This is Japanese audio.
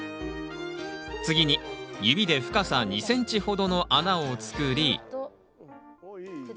次に指で深さ２ｃｍほどの穴を作り